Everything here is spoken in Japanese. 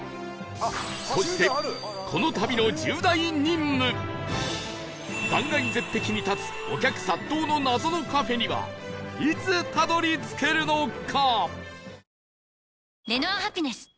そしてこの断崖絶壁に立つお客殺到の謎のカフェにはいつたどり着けるのか？